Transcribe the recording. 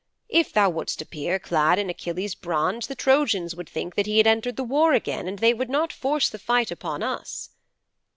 If thou would'st appear clad in Achilles' bronze the Trojans would think that he had entered the war again and they would not force the fight upon us."'